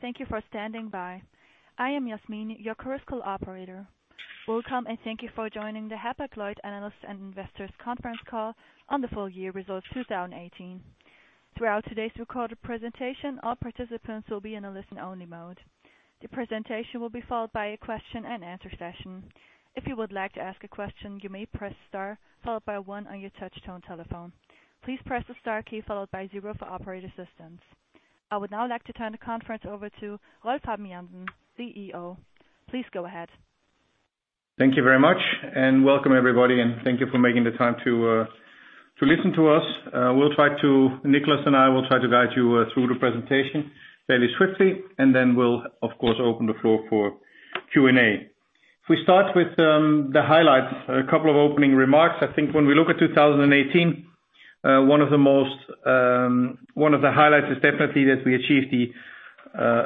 Thank you for standing by. I am Yasmin, your commercial operator. Welcome, and thank you for joining the Hapag-Lloyd Analysts and Investors Conference Call on the full year results 2018. Throughout today's recorded presentation, all participants will be in a listen-only mode. The presentation will be followed by a question-and-answer session. If you would like to ask a question, you may press star followed by one on your touchtone telephone. Please press the star key followed by zero for operator assistance. I would now like to turn the conference over to Rolf Habben Jansen, CEO. Please go ahead. Thank you very much, and welcome, everybody, and thank you for making the time to listen to us. Nicolás and I will try to guide you through the presentation fairly swiftly, and then we'll, of course, open the floor for Q&A. If we start with the highlights, a couple of opening remarks. I think when we look at 2018, one of the highlights is definitely that we achieved the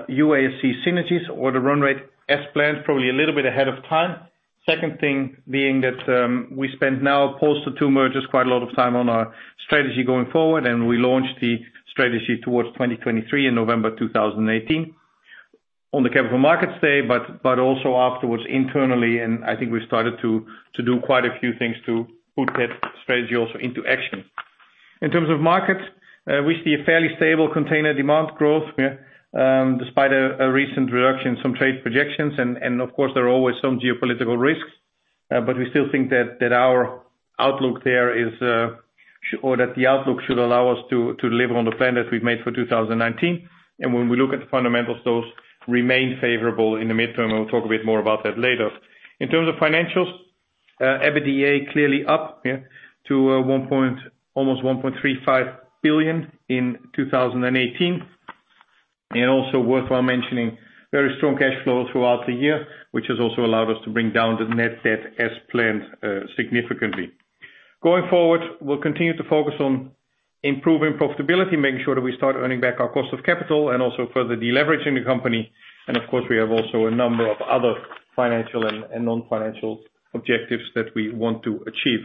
UASC synergies or the run rate as planned, probably a little bit ahead of time. Second thing being that, we spent now post the two mergers, quite a lot of time on our strategy going forward, and we launched the strategy towards 2023 in November 2018. On the Capital Markets Day, also afterwards internally, and I think we started to do quite a few things to put that strategy also into action. In terms of markets, we see a fairly stable container demand growth, despite a recent reduction in some trade projections and of course, there are always some geopolitical risks. We still think that our outlook there is short or that the outlook should allow us to deliver on the plan that we've made for 2019. When we look at the fundamentals, those remain favorable in the midterm. We'll talk a bit more about that later. In terms of financials, EBITDA clearly up to almost 1.35 billion in 2018. Also worthwhile mentioning very strong cash flow throughout the year, which has also allowed us to bring down the net debt as planned, significantly. Going forward, we'll continue to focus on improving profitability, making sure that we start earning back our cost of capital and also further deleveraging the company. Of course, we have also a number of other financial and non-financial objectives that we want to achieve.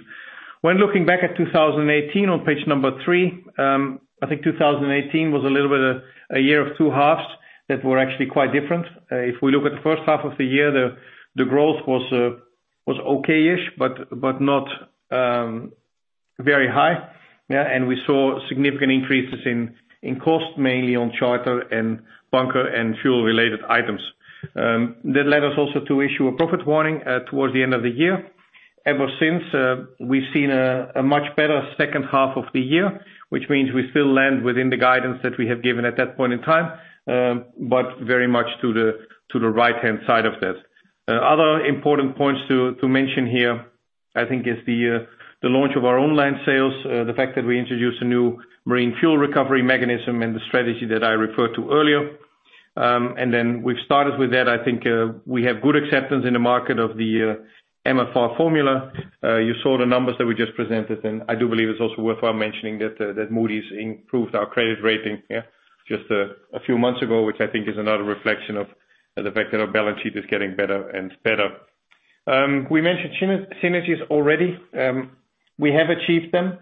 When looking back at 2018 on page 3, I think 2018 was a little bit of a year of two halves that were actually quite different. If we look at the first half of the year, the growth was okay-ish, but not very high. We saw significant increases in cost, mainly on charter and bunker and fuel related items. That led us also to issue a profit warning towards the end of the year. Ever since, we've seen a much better second half of the year, which means we still land within the guidance that we have given at that point in time, but very much to the right-hand side of that. Other important points to mention here, I think is the launch of our online sales, the fact that we introduced a new Marine Fuel Recovery mechanism and the strategy that I referred to earlier. We've started with that. I think, we have good acceptance in the market of the MFR formula. You saw the numbers that we just presented, and I do believe it's also worthwhile mentioning that Moody's improved our credit rating, yeah, just a few months ago, which I think is another reflection of the fact that our balance sheet is getting better and better. We mentioned synergies already. We have achieved them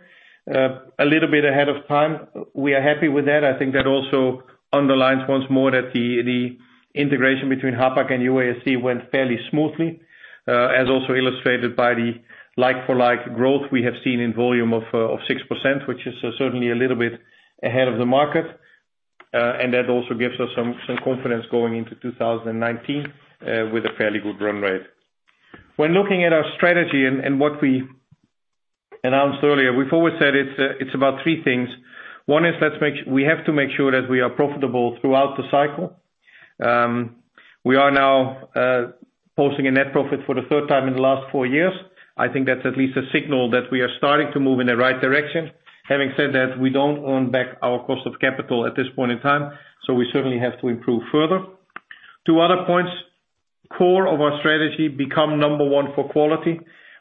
a little bit ahead of time. We are happy with that. I think that also underlines once more that the integration between Hapag and UASC went fairly smoothly, as also illustrated by the like for like growth we have seen in volume of 6%, which is certainly a little bit ahead of the market. That also gives us some confidence going into 2019 with a fairly good run rate. When looking at our strategy and what we announced earlier, we've always said it's about three things. One is we have to make sure that we are profitable throughout the cycle. We are now posting a net profit for the third time in the last four years. I think that's at least a signal that we are starting to move in the right direction. Having said that, we don't earn back our cost of capital at this point in time, so we certainly have to improve further. Two other points, core of our strategy, become number one for quality.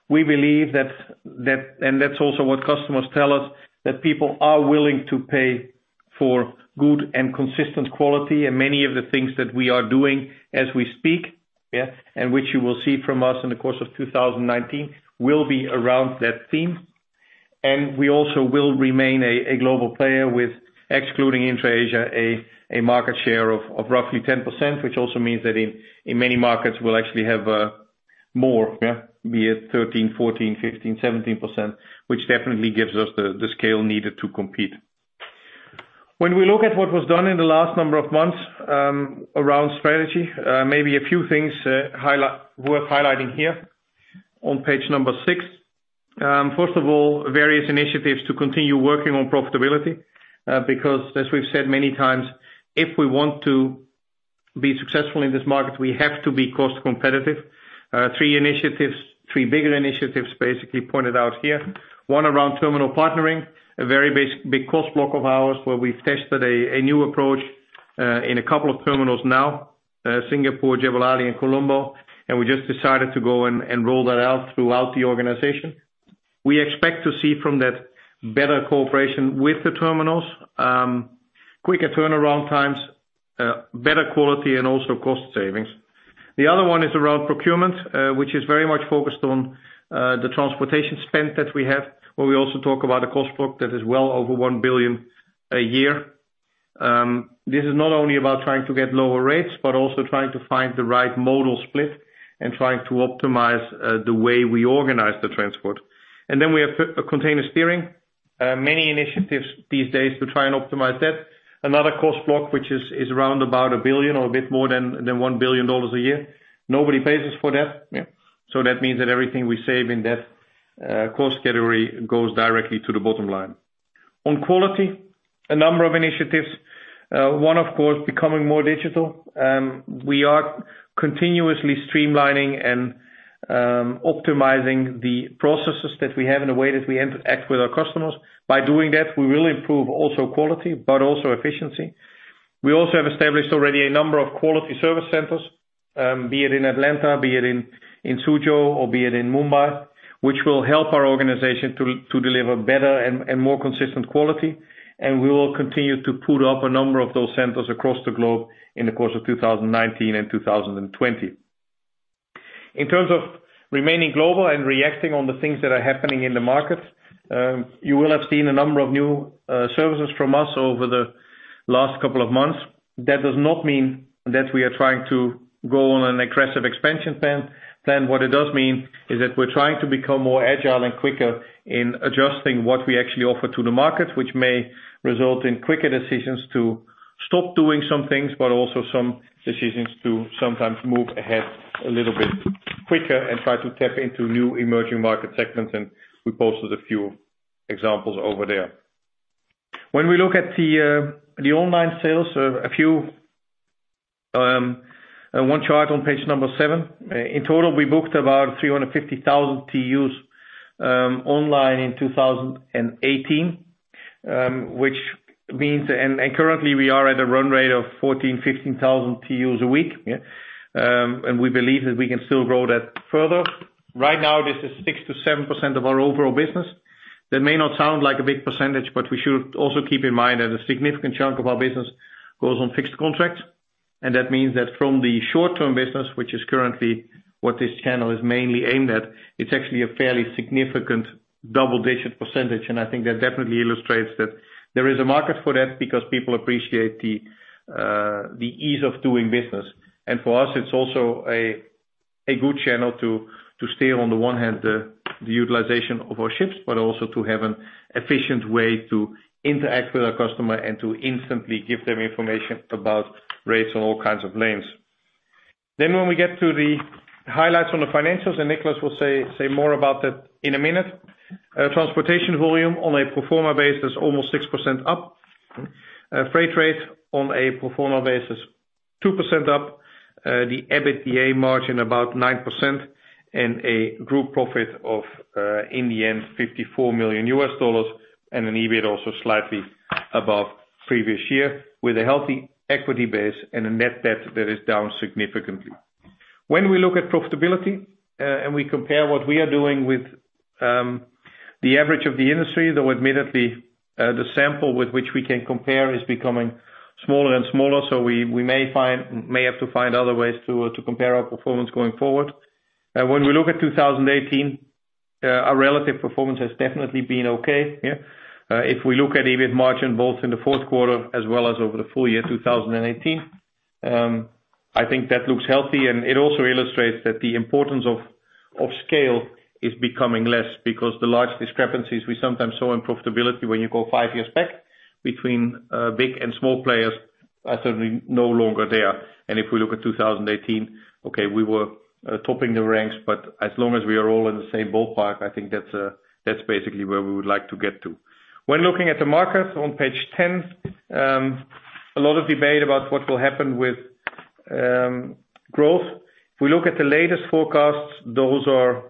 We believe that and that's also what customers tell us, that people are willing to pay for good and consistent quality. Many of the things that we are doing as we speak, yeah, and which you will see from us in the course of 2019, will be around that theme. We also will remain a global player with excluding Intra-Asia, a market share of roughly 10%, which also means that in many markets we'll actually have more, yeah, be it 13%, 14%, 15%, 17%, which definitely gives us the scale needed to compete. When we look at what was done in the last number of months, around strategy, maybe a few things, worth highlighting here on page 6. First of all, various initiatives to continue working on profitability, because as we've said many times, if we want to be successful in this market, we have to be cost competitive. Three initiatives, three bigger initiatives basically pointed out here. One around terminal partnering, a very basic, big cost block of ours where we've tested a new approach in a couple of terminals now, Singapore, Jebel Ali and Colombo. We just decided to go and roll that out throughout the organization. We expect to see from that better cooperation with the terminals, quicker turnaround times, better quality, and also cost savings. The other one is around procurement, which is very much focused on the transportation spend that we have, where we also talk about a cost book that is well over 1 billion a year. This is not only about trying to get lower rates, but also trying to find the right modal split and trying to optimize the way we organize the transport. Then we have container steering. Many initiatives these days to try and optimize that. Another cost block, which is around about $1 billion or a bit more than $1 billion a year. Nobody pays us for that. Yeah. That means that everything we save in that cost category goes directly to the bottom line. On quality, a number of initiatives. One, of course, becoming more digital. We are continuously streamlining and optimizing the processes that we have in the way that we interact with our customers. By doing that, we will improve also quality, but also efficiency. We also have established already a number of quality service centers, be it in Atlanta, be it in Suzhou or be it in Mumbai, which will help our organization to deliver better and more consistent quality. We will continue to put up a number of those centers across the globe in the course of 2019 and 2020. In terms of remaining global and reacting on the things that are happening in the market, you will have seen a number of new services from us over the last couple of months. That does not mean that we are trying to go on an aggressive expansion plan. What it does mean is that we're trying to become more agile and quicker in adjusting what we actually offer to the market, which may result in quicker decisions to stop doing some things, but also some decisions to sometimes move ahead a little bit quicker and try to tap into new emerging market segments, and we posted a few examples over there. When we look at the online sales, a view of one chart on page 7. In total, we booked about 350,000 TEUs online in 2018, which means currently, we are at a run rate of 14,000-15,000 TEUs a week. Yeah. We believe that we can still grow that further. Right now, this is 6%-7% of our overall business. That may not sound like a big percentage, but we should also keep in mind that a significant chunk of our business goes on fixed contracts. That means that from the short-term business, which is currently what this channel is mainly aimed at, it's actually a fairly significant double-digit percentage. I think that definitely illustrates that there is a market for that because people appreciate the ease of doing business. For us, it's also a good channel to steer on the one hand the utilization of our ships, but also to have an efficient way to interact with our customer and to instantly give them information about rates on all kinds of lanes. When we get to the highlights on the financials, and Nicolás will say more about that in a minute. Transportation volume on a pro forma basis, almost 6% up. Freight rate on a pro forma basis, 2% up. The EBITDA margin about 9% and a group profit of, in the end, $54 million and an EBIT also slightly above previous year with a healthy equity base and a net debt that is down significantly. When we look at profitability, and we compare what we are doing with, the average of the industry, though admittedly, the sample with which we can compare is becoming smaller and smaller, so we may have to find other ways to compare our performance going forward. When we look at 2018, our relative performance has definitely been okay. If we look at EBIT margin both in the fourth quarter as well as over the full year, 2018, I think that looks healthy. It also illustrates that the importance of scale is becoming less because the large discrepancies we sometimes show in profitability when you go 5 years back between big and small players are certainly no longer there. If we look at 2018, we were topping the ranks, but as long as we are all in the same ballpark, I think that's basically where we would like to get to. When looking at the markets on page 10, a lot of debate about what will happen with growth. If we look at the latest forecasts, those are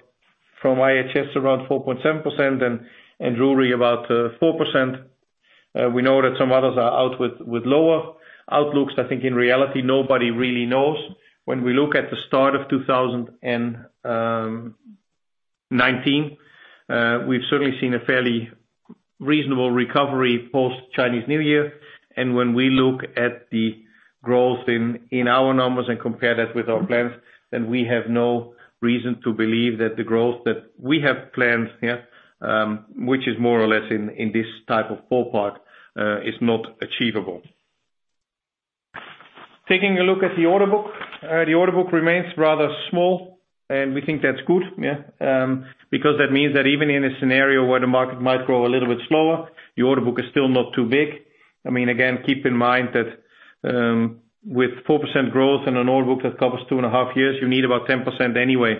from IHS around 4.7% and Drewry about 4%. We know that some others are out with lower outlooks. I think in reality, nobody really knows. When we look at the start of 2019, we've certainly seen a fairly reasonable recovery post-Chinese New Year. When we look at the growth in our numbers and compare that with our plans, then we have no reason to believe that the growth that we have planned, yeah, which is more or less in this type of ballpark, is not achievable. Taking a look at the order book. The order book remains rather small, and we think that's good, yeah. Because that means that even in a scenario where the market might grow a little bit slower, the order book is still not too big. I mean, again, keep in mind that, with 4% growth in an order book that covers 2.5 years, you need about 10% anyway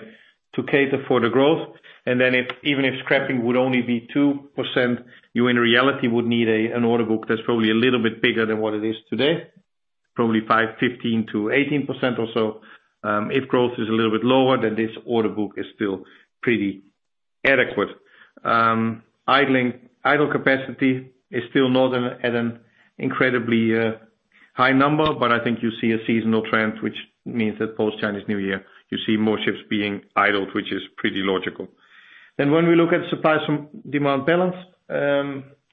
to cater for the growth. Even if scrapping would only be 2%, you in reality would need an order book that's probably a little bit bigger than what it is today, probably 15%-18% or so. If growth is a little bit lower, then this order book is still pretty adequate. Idle capacity is still not at an incredibly high number, but I think you see a seasonal trend, which means that post-Chinese New Year, you see more ships being idled, which is pretty logical. When we look at supply and demand balance,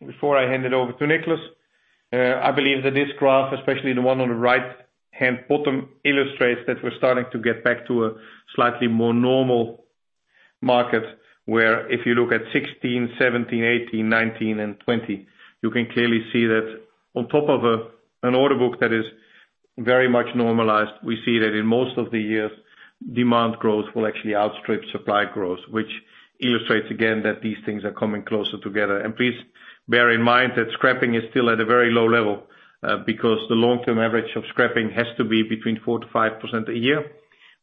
before I hand it over to Nicholas. I believe that this graph, especially the one on the right-hand bottom, illustrates that we're starting to get back to a slightly more normal market, where if you look at 2016, 2017, 2018, 2019, and 2020, you can clearly see that on top of an order book that is very much normalized, we see that in most of the years, demand growth will actually outstrip supply growth, which illustrates again that these things are coming closer together. Please bear in mind that scrapping is still at a very low level, because the long-term average of scrapping has to be between 4%-5% a year,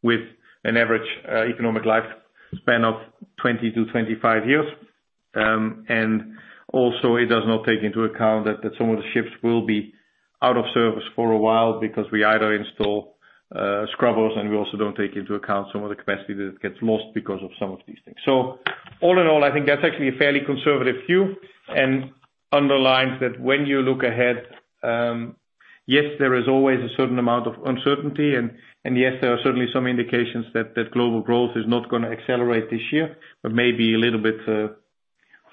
with an average economic lifespan of 20-25 years. Also, it does not take into account that some of the ships will be out of service for a while because we either install scrubbers, and we also don't take into account some of the capacity that gets lost because of some of these things. All in all, I think that's actually a fairly conservative view, and underlines that when you look ahead, yes, there is always a certain amount of uncertainty, and yes, there are certainly some indications that global growth is not gonna accelerate this year, but maybe a little bit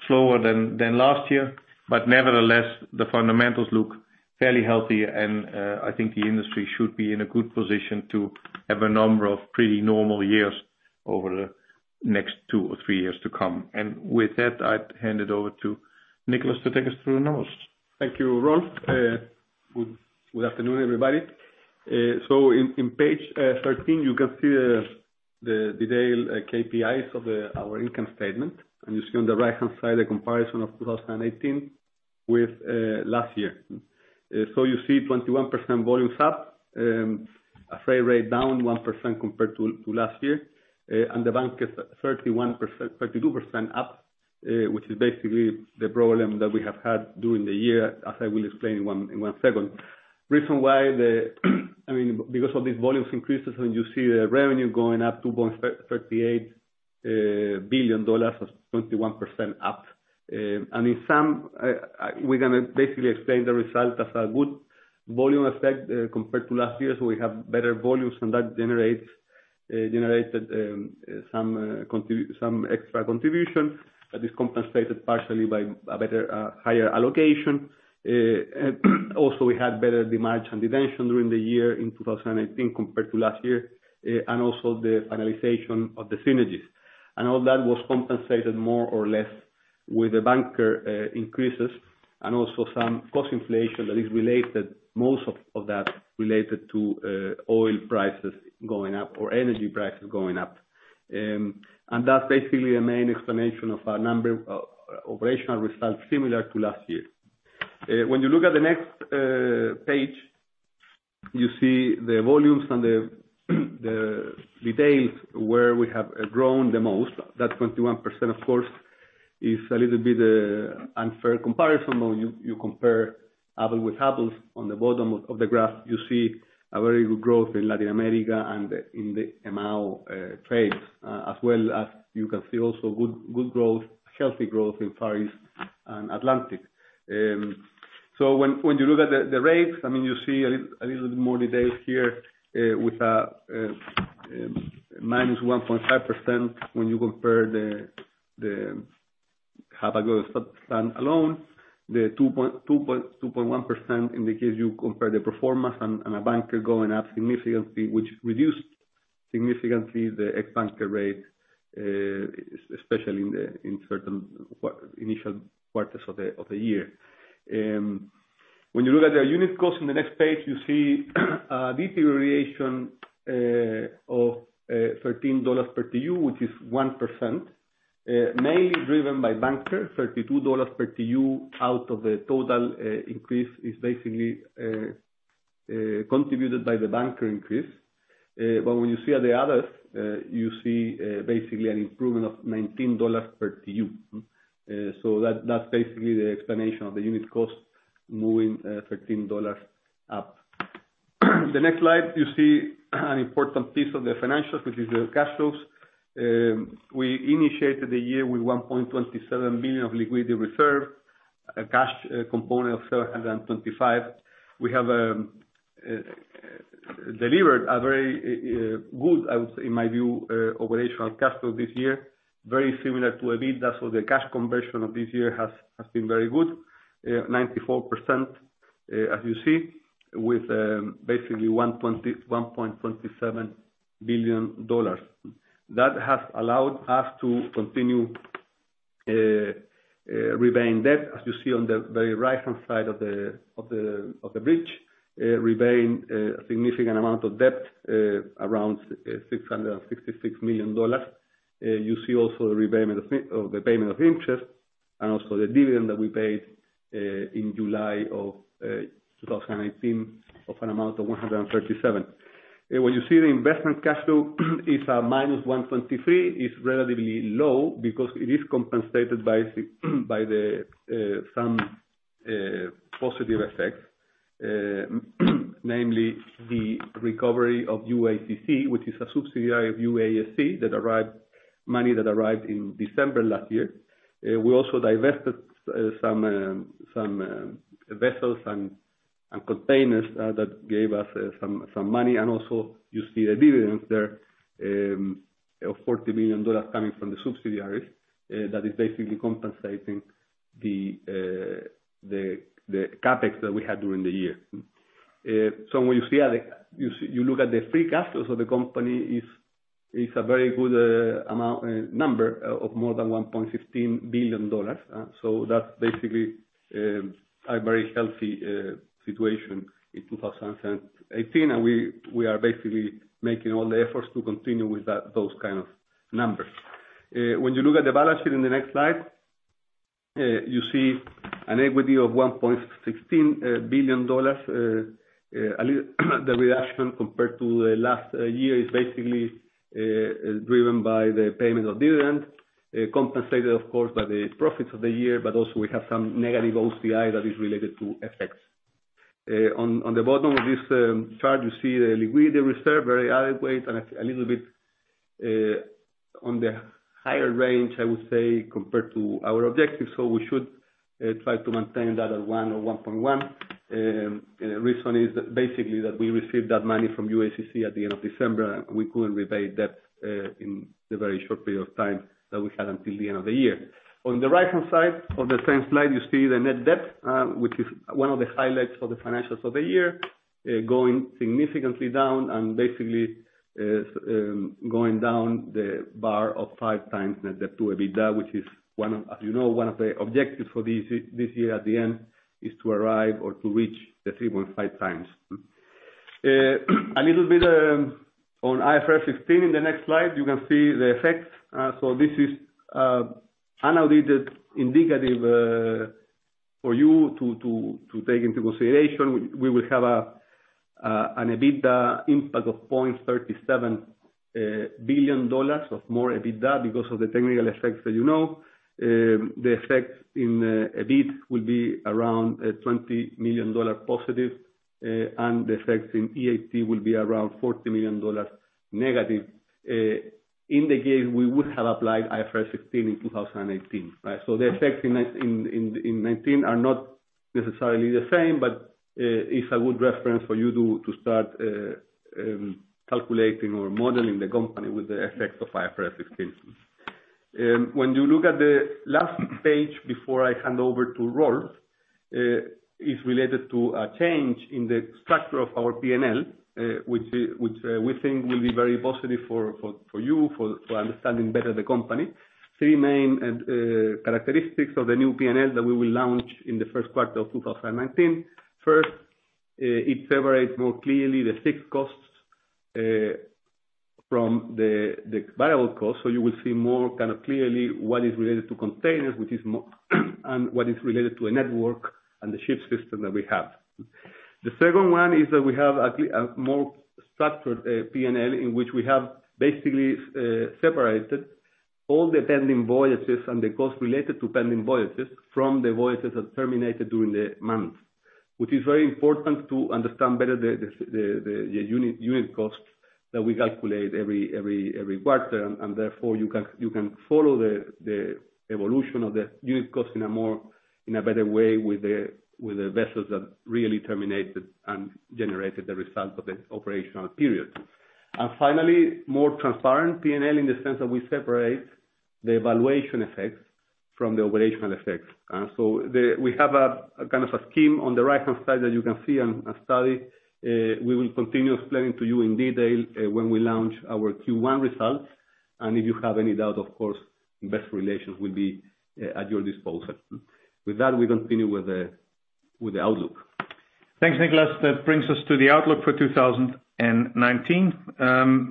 slower than last year. Nevertheless, the fundamentals look fairly healthy and, I think the industry should be in a good position to have a number of pretty normal years over the next two or three years to come. With that, I hand it over to Nicolás to take us through the numbers. Thank you, Rolf. Good afternoon, everybody. In page 13, you can see the detailed KPIs of our income statement. You see on the right-hand side a comparison of 2018 with last year. You see 21% volumes up, a freight rate down 1% compared to last year. The bunker is 32% up, which is basically the problem that we have had during the year, as I will explain in one second. The reason why, I mean, because of these volume increases and you see the revenue going up to $3.8 billion, that's 21% up. We're gonna basically explain the result as a good volume effect compared to last year. We have better volumes, and that generates some extra contribution that is compensated partially by a better higher allocation. We had better demurrage and detention during the year in 2018 compared to last year, and also the finalization of the synergies. All that was compensated more or less with the bunker increases and also some cost inflation that is related, most of that related to oil prices going up or energy prices going up. That's basically a main explanation of our number operational results similar to last year. When you look at the next page, you see the volumes and the details where we have grown the most. That 21%, of course, is a little bit unfair comparison. When you compare apples to apples on the bottom of the graph, you see a very good growth in Latin America and in the MA trades, as well as you can see also good growth, healthy growth in Far East and Atlantic. When you look at the rates, I mean, you see a little bit more details here, with -1.5% when you compare the Hapag-Lloyd standalone alone. The 2.1% indicates you compare the performance and a bunker going up significantly, which reduced significantly the ex-bunker rate, especially in the certain initial quarters of the year. When you look at the unit cost on the next page, you see a deterioration of $13 per TEU, which is 1%, mainly driven by bunker. $32 per TEU out of the total increase is basically contributed by the bunker increase. When you see the others, you see basically an improvement of $19 per TEU. That, that's basically the explanation of the unit cost moving $13 up. The next slide you see an important piece of the financials, which is the cash flows. We initiated the year with 1.27 billion of liquidity reserve, a cash component of 725 million. We have delivered a very good, I would say in my view, operational cash flow this year, very similar to a year before. The cash conversion of this year has been very good. 94%, as you see, with basically $1.27 billion. That has allowed us to continue repaying debt, as you see on the very right-hand side of the bridge, repaying a significant amount of debt, around $666 million. You see also repayment of the payment of interest and also the dividend that we paid in July 2018 of an amount of 137 million. When you see the investment cash flow is minus 1.3, it is relatively low because it is compensated by some positive effects, namely the recovery of UASC, which is a subsidiary of UASC, money that arrived in December last year. We also divested some vessels and containers that gave us some money. You also see the dividends there of $40 million coming from the subsidiaries that is basically compensating the CapEx that we had during the year. When you look at the free cash flows of the company is a very good amount number of more than $1.16 billion. That's basically a very healthy situation in 2018. We are basically making all the efforts to continue with that, those kind of numbers. When you look at the balance sheet in the next slide, you see an equity of $1.16 billion. The reduction compared to the last year is basically driven by the payment of dividends, compensated of course by the profits of the year. Also we have some negative OCI that is related to FX. On the bottom of this chart, you see the liquidity reserve, very adequate and a little bit on the higher range, I would say, compared to our objectives. We should try to maintain that at $1 billion or $1.1 billion. Reason is basically that we received that money from UASC at the end of December. We couldn't repay debt in the very short period of time that we had until the end of the year. On the right-hand side of the same slide, you see the net debt, which is one of the highlights of the financials of the year, going significantly down and basically going down the bar of 5 times Net Debt to EBITDA, which is one of, as you know, one of the objectives for this year at the end, is to arrive or to reach the 3.5 times. A little bit on IFRS 16 in the next slide, you can see the effects. This is unaudited indicative for you to take into consideration. We will have an EBITDA impact of $0.37 billion of more EBITDA because of the technical effects that you know. The effects in EBIT will be around $20 million positive. And the effects in EAT will be around $40 million negative. In the case we would have applied IFRS 16 in 2018, right? The effects in 2019 are not necessarily the same, but is a good reference for you to start calculating or modeling the company with the effects of IFRS 16. When you look at the last page before I hand over to Rolf, is related to a change in the structure of our P&L, which we think will be very positive for you for understanding better the company. Three main characteristics of the new P&L that we will launch in the first quarter of 2019. First, it separates more clearly the fixed costs from the variable costs. So you will see more kind of clearly what is related to containers, and what is related to a network, and the shipping system that we have. The second one is that we have a more structured P&L, in which we have basically separated all the pending voyages and the costs related to pending voyages from the voyages that terminated during the month. Which is very important to understand better the unit costs that we calculate every quarter. Therefore, you can follow the evolution of the unit cost in a better way with the vessels that really terminated and generated the results of the operational period. Finally, more transparent P&L in the sense that we separate the evaluation effects from the operational effects. We have kind of a scheme on the right-hand side that you can see and study. We will continue explaining to you in detail when we launch our Q1 results. If you have any doubt, of course, investor relations will be at your disposal. With that, we continue with the outlook. Thanks, Nicolás. That brings us to the outlook for 2019.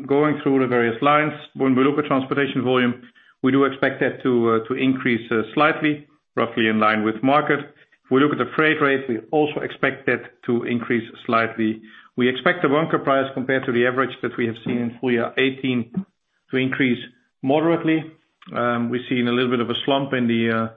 Going through the various lines, when we look at transportation volume, we do expect that to increase slightly, roughly in line with market. If we look at the freight rate, we also expect that to increase slightly. We expect the bunker price compared to the average that we have seen in full year 2018 to increase moderately. We've seen a little bit of a slump in the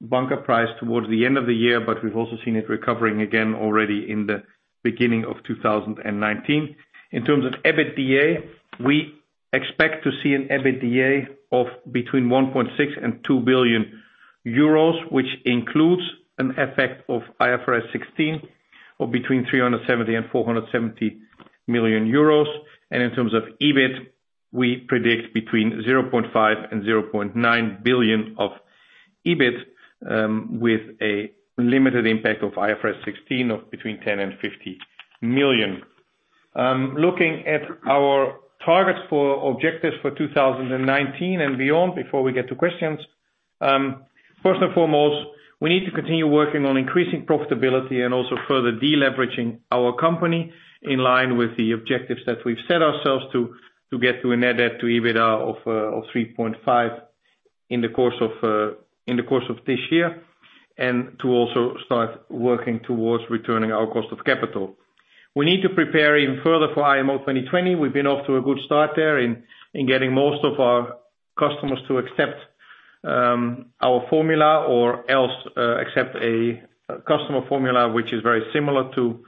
bunker price towards the end of the year, but we've also seen it recovering again already in the beginning of 2019. In terms of EBITDA, we expect to see an EBITDA of between 1.6 billion and 2 billion euros, which includes an effect of IFRS 16 of between 370 million and 470 million euros. In terms of EBIT, we predict between 0.5 billion and 0.9 billion of EBIT, with a limited impact of IFRS 16 of between 10 million and 50 million. Looking at our targets for objectives for 2019 and beyond, before we get to questions. First and foremost, we need to continue working on increasing profitability and also further deleveraging our company in line with the objectives that we've set ourselves to get to a net debt to EBITDA of 3.5 in the course of this year. To also start working towards returning our cost of capital. We need to prepare even further for IMO 2020. We've been off to a good start there in getting most of our customers to accept our formula or else accept a customer formula, which is very similar to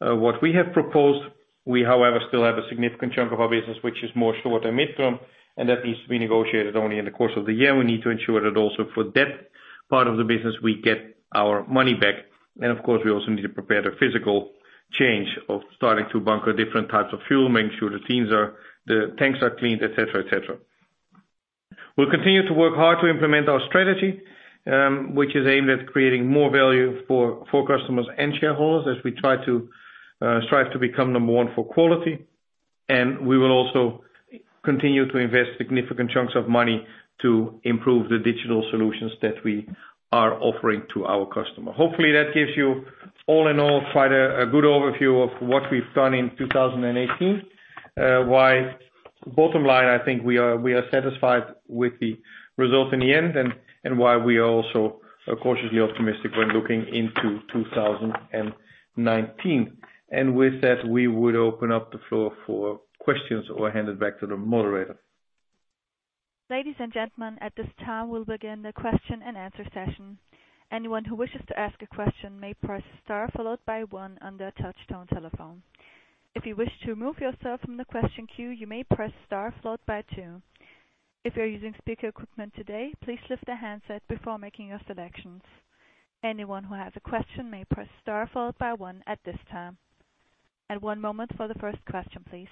what we have proposed. We, however, still have a significant chunk of our business, which is more short than mid-term, and that needs to be negotiated only in the course of the year. We need to ensure that also for that part of the business we get our money back. Of course, we also need to prepare the physical change of starting to bunker different types of fuel, making sure the tanks are cleaned, et cetera. We'll continue to work hard to implement our strategy, which is aimed at creating more value for customers and shareholders as we try to strive to become number one for quality. We will also continue to invest significant chunks of money to improve the digital solutions that we are offering to our customer. Hopefully, that gives you all in all, quite a good overview of what we've done in 2018. Why bottom line, I think we are satisfied with the result in the end and why we are also cautiously optimistic when looking into 2019. With that, we would open up the floor for questions or hand it back to the moderator. Ladies and gentlemen, at this time, we'll begin the question and answer session. Anyone who wishes to ask a question may press star followed by one on their touchtone telephone. If you wish to remove yourself from the question queue, you may press star followed by two. If you're using speaker equipment today, please lift the handset before making your selections. Anyone who has a question may press star followed by one at this time. One moment for the first question, please.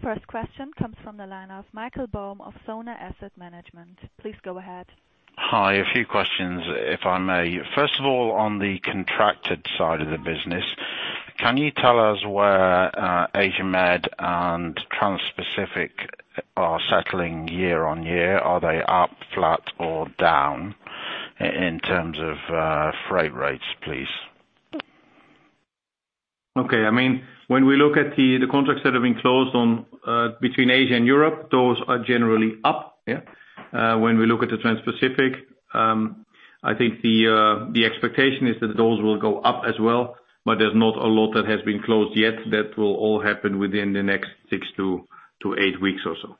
The first question comes from the line of Michael Boam of Sona Asset Management. Please go ahead. Hi. A few questions, if I may. First of all, on the contracted side of the business, can you tell us where Asia-Med and Transpacific are settling year-over-year? Are they up, flat, or down in terms of freight rates, please? Okay. I mean, when we look at the contracts that have been closed on between Asia and Europe, those are generally up. Yeah. When we look at the Transpacific, I think the expectation is that those will go up as well, but there's not a lot that has been closed yet. That will all happen within the next 6-8 weeks or so.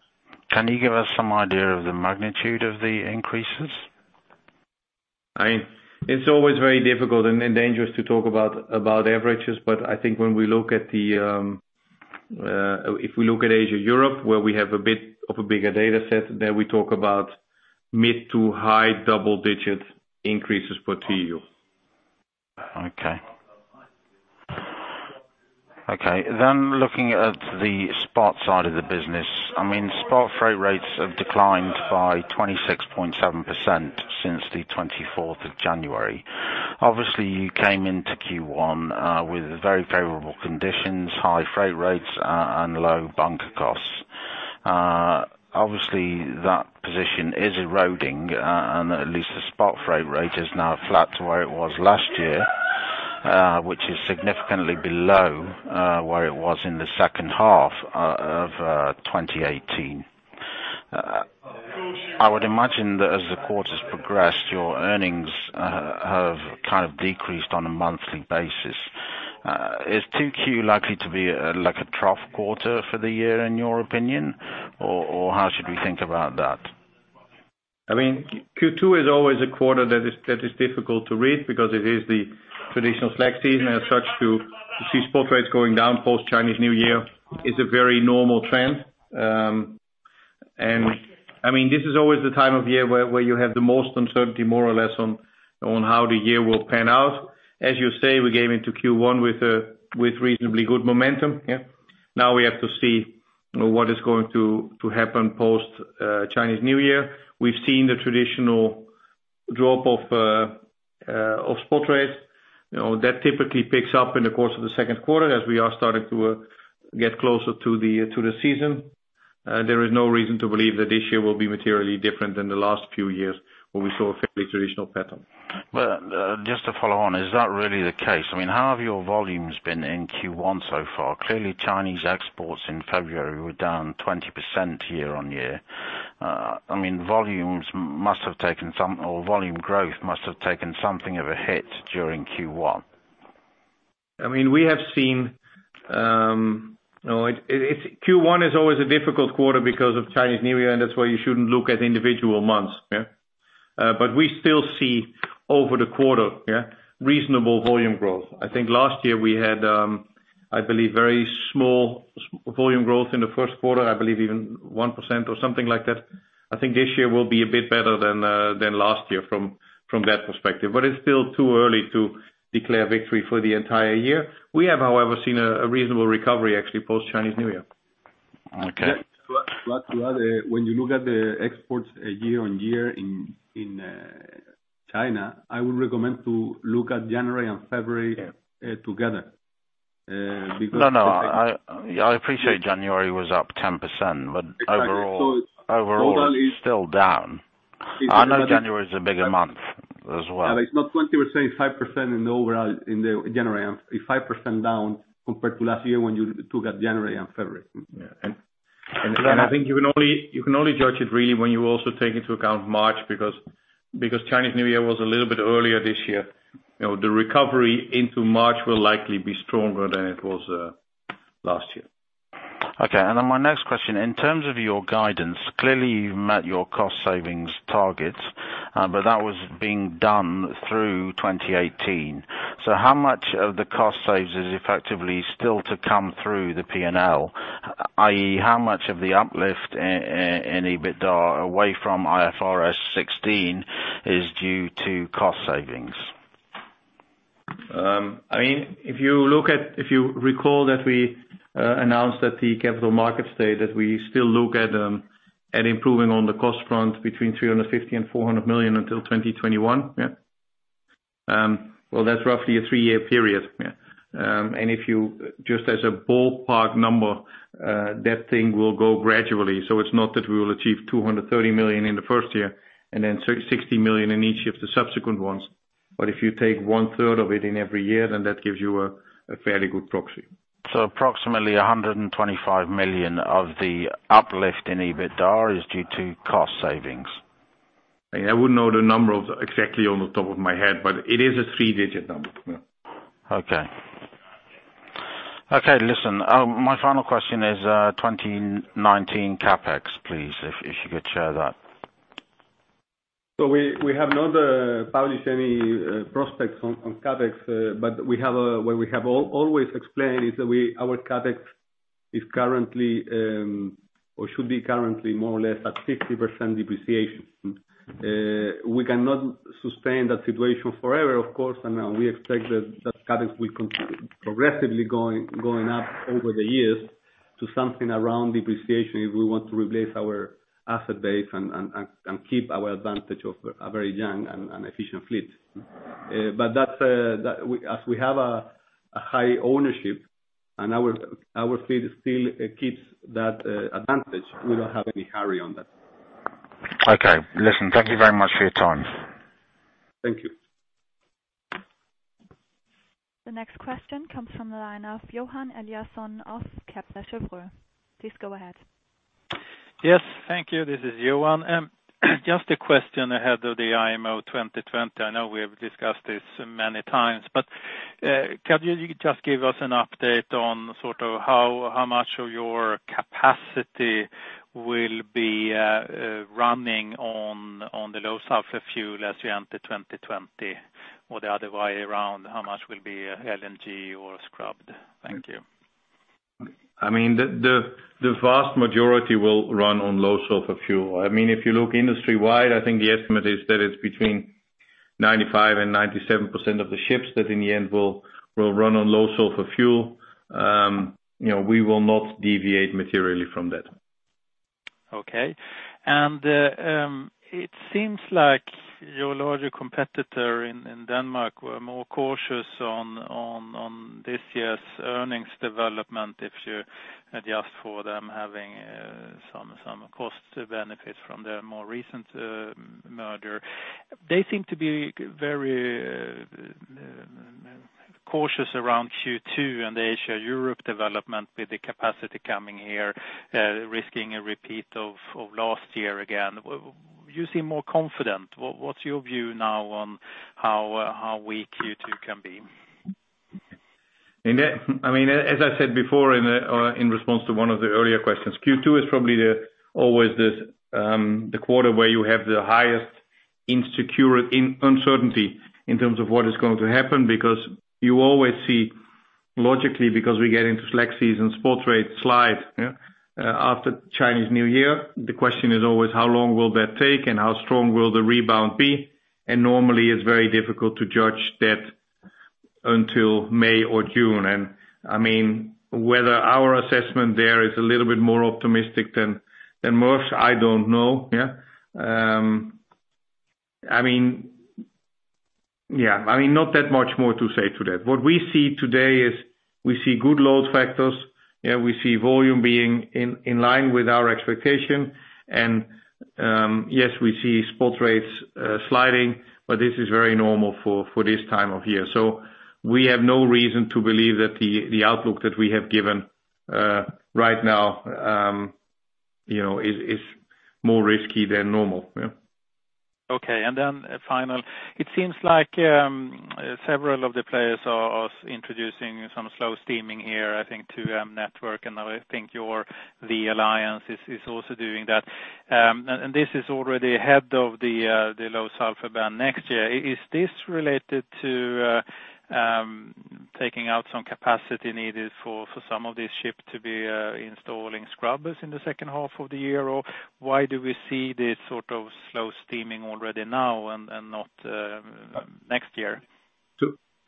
Can you give us some idea of the magnitude of the increases? It's always very difficult and dangerous to talk about averages. I think if we look at Asia-Europe, where we have a bit of a bigger data set, there we talk about mid- to high double-digit increases per TEU. Looking at the spot side of the business, I mean, spot freight rates have declined by 26.7% since the 24th of January. Obviously, you came into Q1 with very favorable conditions, high freight rates and low bunker costs. Obviously, that position is eroding and at least the spot freight rate is now flat to where it was last year, which is significantly below where it was in the second half of 2018. I would imagine that as the quarters progressed, your earnings have kind of decreased on a monthly basis. Is 2Q likely to be like a trough quarter for the year, in your opinion? Or how should we think about that? I mean, Q2 is always a quarter that is difficult to read because it is the traditional slack season. As such, you see spot rates going down post Chinese New Year is a very normal trend. I mean, this is always the time of year where you have the most uncertainty, more or less on how the year will pan out. As you say, we came into Q1 with reasonably good momentum, yeah. Now we have to see, you know, what is going to happen post Chinese New Year. We've seen the traditional drop of spot rates. You know, that typically picks up in the course of the second quarter as we are starting to get closer to the season. There is no reason to believe that this year will be materially different than the last few years where we saw a fairly traditional pattern. Well, just to follow on, is that really the case? I mean, how have your volumes been in Q1 so far? Clearly, Chinese exports in February were down 20% year-on-year. I mean, volumes must have taken some or volume growth must have taken something of a hit during Q1. I mean, we have seen. You know, Q1 is always a difficult quarter because of Chinese New Year, and that's why you shouldn't look at individual months, yeah. We still see over the quarter, yeah, reasonable volume growth. I think last year we had, I believe, very small volume growth in the first quarter. I believe even 1% or something like that. I think this year will be a bit better than last year from that perspective. It's still too early to declare victory for the entire year. We have, however, seen a reasonable recovery, actually, post Chinese New Year. Okay. When you look at the exports year-over-year in China, I would recommend to look at January and February together because. No, I appreciate January was up 10%, but overall- Exactly. Overall, it's still down. I know January is a bigger month as well. It's not 20%, it's 5% in the overall, in the January. It's 5% down compared to last year when you took out January and February. I think you can only judge it really when you also take into account March because Chinese New Year was a little bit earlier this year. You know, the recovery into March will likely be stronger than it was last year. Okay. Then my next question, in terms of your guidance, clearly you've met your cost savings targets, but that was being done through 2018. So how much of the cost savings is effectively still to come through the P&L? I.e., how much of the uplift in EBITDA away from IFRS 16 is due to cost savings? I mean, if you recall that we announced at the capital markets day that we still look at improving on the cost front between 350 million and 400 million until 2021, yeah. Well, that's roughly a 3-year period, yeah. Just as a ballpark number, that thing will go gradually. It's not that we will achieve 230 million in the first year and then 60 million in each of the subsequent ones. If you take one third of it in every year, then that gives you a fairly good proxy. Approximately 125 million of the uplift in EBITDA is due to cost savings. I wouldn't know the numbers exactly off the top of my head, but it is a three-digit number. Yeah. Okay, listen. My final question is 2019 CapEx, please, if you could share that. We have not published any projections on CapEx, but what we have always explained is that our CapEx is currently or should be currently more or less at 60% depreciation. We cannot sustain that situation forever, of course, and we expect that CapEx will progressively going up over the years to something around depreciation if we want to replace our asset base and keep our advantage of a very young and efficient fleet. But as we have a high ownership and our fleet still keeps that advantage, we don't have any hurry on that. Okay. Listen, thank you very much for your time. Thank you. The next question comes from the line of Johan Eliason of Kepler Cheuvreux. Please go ahead. Yes. Thank you. This is Johan. Just a question ahead of the IMO 2020. I know we have discussed this many times, but could you just give us an update on sort of how much of your capacity will be running on the low sulfur fuel as we enter 2020? Or the other way around, how much will be LNG or scrubbed? Thank you. I mean, the vast majority will run on low sulfur fuel. I mean, if you look industry-wide, I think the estimate is that it's between 95% and 97% of the ships that in the end will run on low sulfur fuel. You know, we will not deviate materially from that. Okay. It seems like your larger competitor in Denmark were more cautious on this year's earnings development if you adjust for them having some cost benefits from their more recent merger. They seem to be very cautious around Q2 and the Asia-Europe development with the capacity coming here, risking a repeat of last year again. You seem more confident. What's your view now on how weak Q2 can be? I mean, as I said before in response to one of the earlier questions, Q2 is probably always the quarter where you have the highest uncertainty in terms of what is going to happen, because you always see, logically, because we get into slack season, spot rates slide, yeah, after Chinese New Year. The question is always how long will that take and how strong will the rebound be? Normally, it's very difficult to judge that until May or June. I mean, whether our assessment there is a little bit more optimistic than most, I don't know, yeah. I mean, yeah. I mean, not that much more to say to that. What we see today is we see good load factors, yeah. We see volume being in line with our expectation. Yes, we see spot rates sliding, but this is very normal for this time of year. We have no reason to believe that the outlook that we have given right now, you know, is more risky than normal. Yeah. Okay. Final. It seems like several of the players are introducing some slow steaming here, I think to network. I think THE Alliance is also doing that. This is already ahead of the low sulfur ban next year. Is this related to taking out some capacity needed for some of these ships to be installing scrubbers in the second half of the year? Or why do we see this sort of slow steaming already now and not next year?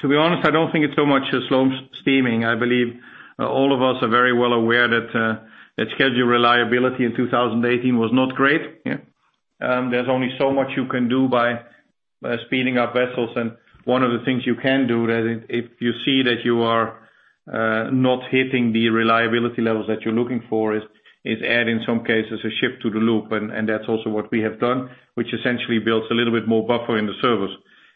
To be honest, I don't think it's so much a slow steaming. I believe all of us are very well aware that schedule reliability in 2018 was not great. There's only so much you can do by speeding up vessels. One of the things you can do if you see that you are not hitting the reliability levels that you're looking for is add, in some cases, a ship to the loop. That's also what we have done, which essentially builds a little bit more buffer in the service.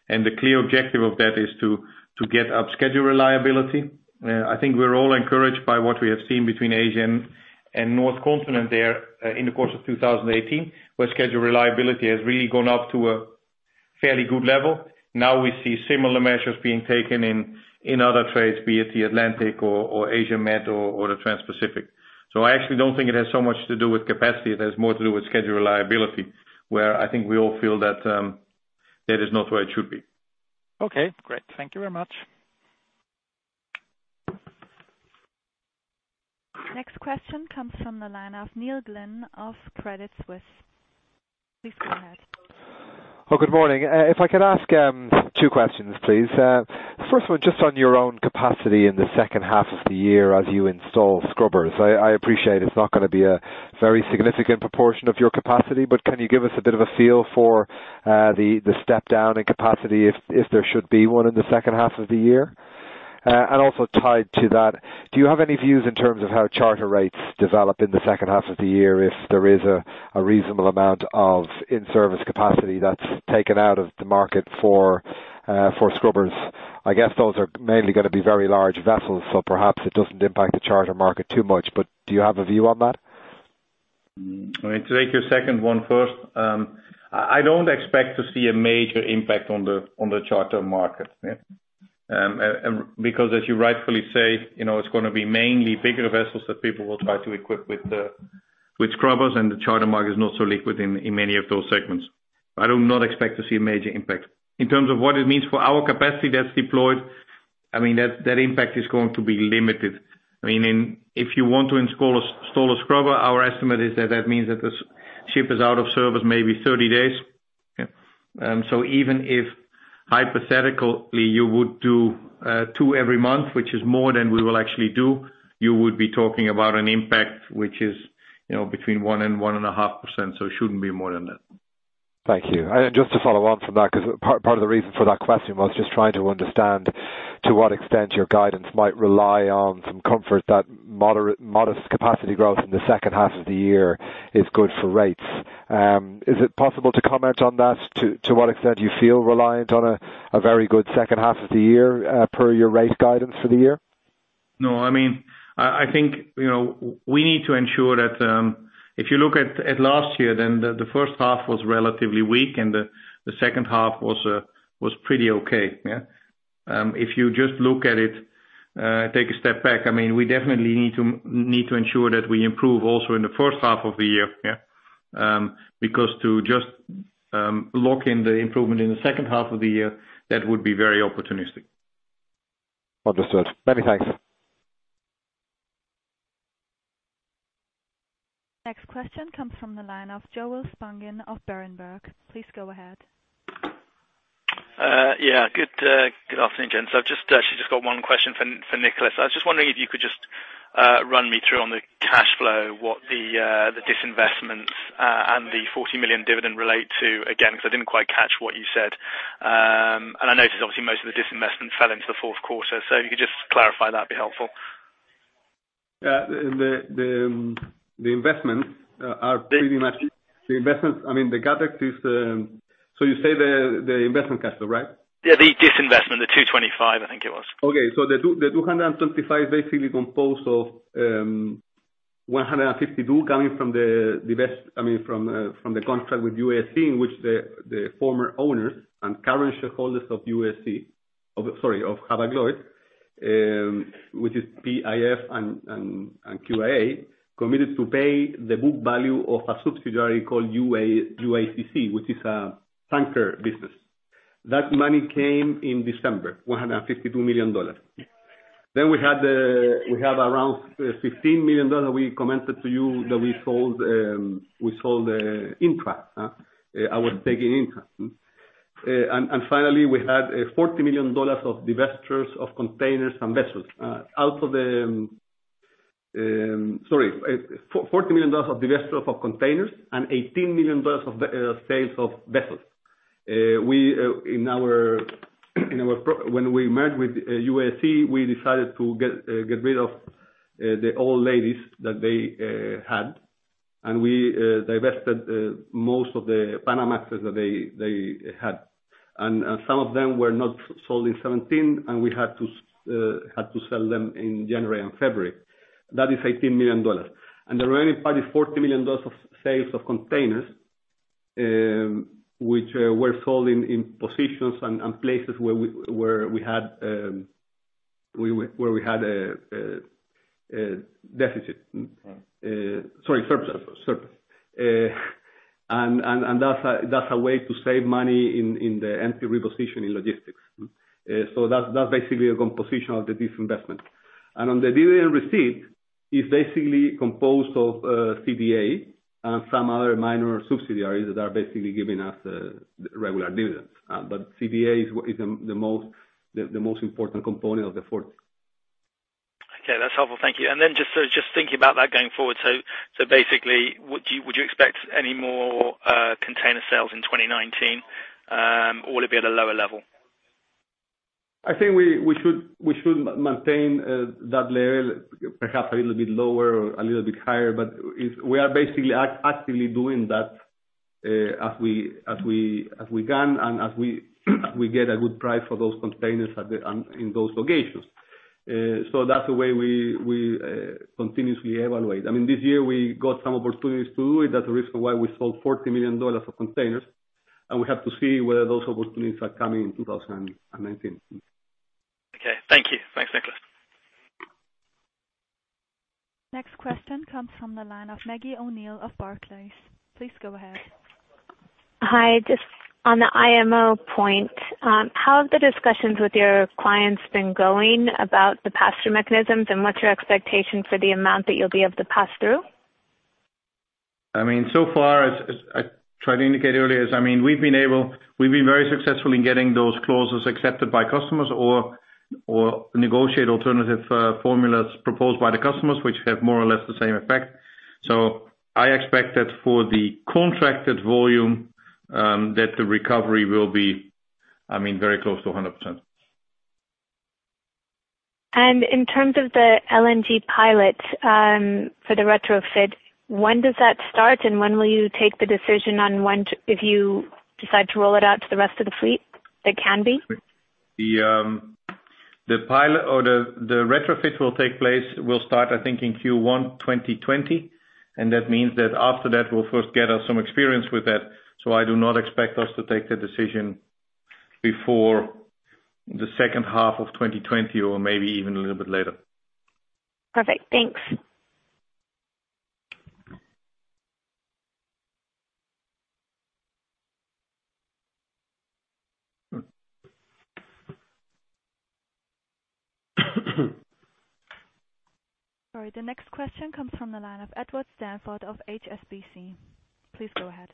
The clear objective of that is to get up schedule reliability. I think we're all encouraged by what we have seen between Asia and Europe there, in the course of 2018, where schedule reliability has really gone up to a Fairly good level. Now we see similar measures being taken in other trades, be it the Atlantic or Asia Med or the Trans-Pacific. I actually don't think it has so much to do with capacity, it has more to do with schedule reliability, where I think we all feel that is not where it should be. Okay, great. Thank you very much. Next question comes from the line of Neil Glynn of Credit Suisse. Please go ahead. Oh, good morning. If I could ask two questions, please. First of all, just on your own capacity in the second half of the year as you install scrubbers. I appreciate it's not gonna be a very significant proportion of your capacity, but can you give us a bit of a feel for the step down in capacity if there should be one in the second half of the year? Also tied to that, do you have any views in terms of how charter rates develop in the second half of the year, if there is a reasonable amount of in-service capacity that's taken out of the market for scrubbers? I guess those are mainly gonna be very large vessels, so perhaps it doesn't impact the charter market too much, but do you have a view on that? To take your second one first, I don't expect to see a major impact on the charter market, yeah. Because as you rightfully say, you know, it's gonna be mainly bigger vessels that people will try to equip with scrubbers, and the charter market is not so liquid in many of those segments. I do not expect to see a major impact. In terms of what it means for our capacity that's deployed, I mean, that impact is going to be limited. I mean, if you want to install a scrubber, our estimate is that that means that the ship is out of service maybe 30 days, yeah. Even if hypothetically you would do two every month, which is more than we will actually do, you would be talking about an impact which is, you know, between one and a half%, so it shouldn't be more than that. Thank you. Just to follow on from that, 'cause part of the reason for that question was just trying to understand to what extent your guidance might rely on some comfort that modest capacity growth in the second half of the year is good for rates. Is it possible to comment on that? To what extent do you feel reliant on a very good second half of the year per your rate guidance for the year? No. I mean, I think, you know, we need to ensure that, if you look at last year, then the first half was relatively weak and the second half was pretty okay, yeah. If you just look at it, take a step back, I mean, we definitely need to ensure that we improve also in the first half of the year, yeah. Because to just lock in the improvement in the second half of the year, that would be very opportunistic. Understood. Many thanks. Next question comes from the line of Joel Spungin of Berenberg. Please go ahead. Yeah. Good afternoon, gents. I've just got one question for Nicolás. I was just wondering if you could just run me through on the cash flow, what the disinvestments and the 40 million dividend relate to, again, 'cause I didn't quite catch what you said. I noticed obviously most of the disinvestment fell into the fourth quarter. If you could just clarify that, it'd be helpful. Yeah. The investments are pretty much- The- I mean, the CapEx is. You say the investment cash flow, right? Yeah, the disinvestment, the 225, I think it was. The 225 basically composed of 152 coming from the contract with UASC, in which the former owners and current shareholders of Hapag-Lloyd, which is PIF and QIA, committed to pay the book value of a subsidiary called UASC, which is a tanker business. That money came in December, $152 million. Then we had around $15 million. We commented to you that we sold our stake in intra. And finally, we had $40 million of divestitures of containers and vessels. $40 million of divestiture of containers and $18 million of sales of vessels. When we merged with UASC, we decided to get rid of the old ladies that they had, and we divested most of the Panamax that they had. Some of them were not sold in 2017, and we had to sell them in January and February. That is $18 million. The remaining part is $40 million of sales of containers, which were sold in positions and places where we had a deficit. Sorry, surplus. That's a way to save money in the empty repositioning logistics. That's basically a composition of the disinvestment. On the dividend receipt, it's basically composed of CBA and some other minor subsidiaries that are basically giving us regular dividends. CBA is the most important component of the 40. Okay, that's helpful. Thank you. Just thinking about that going forward, so basically, would you expect any more container sales in 2019, or would it be at a lower level? I think we should maintain that level, perhaps a little bit lower or a little bit higher. If we are basically actively doing that, as we can and as we get a good price for those containers in those locations. That's the way we continuously evaluate. I mean, this year we got some opportunities to do it. That's the reason why we sold $40 million of containers, and we have to see whether those opportunities are coming in 2019. Okay. Thank you. Thanks, Nicolás. Next question comes from the line of Maggie Gosnear of Barclays. Please go ahead. Hi. Just on the IMO point, how have the discussions with your clients been going about the pass-through mechanisms, and what's your expectation for the amount that you'll be able to pass through? I mean, so far, as I tried to indicate earlier, I mean, we've been very successful in getting those clauses accepted by customers or negotiate alternative formulas proposed by the customers which have more or less the same effect. I expect that for the contracted volume, that the recovery will be, I mean, very close to 100%. In terms of the LNG pilot for the retrofit, when does that start? When will you take the decision on when to roll it out to the rest of the fleet if you decide to? That can be? The pilot or the retrofit will start I think in Q1 2020, and that means that after that we'll first gather some experience with that. I do not expect us to take the decision before the second half of 2020 or maybe even a little bit later. Perfect. Thanks. Sorry. The next question comes from the line of Edward Stanford of HSBC. Please go ahead.